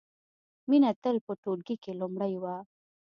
مینه تل په ټولګي کې لومړۍ وه